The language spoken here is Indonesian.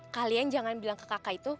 kalian jangan bilang ke kakak itu